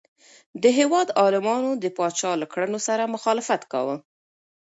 د هیواد عالمانو د پاچا له کړنو سره مخالفت کاوه.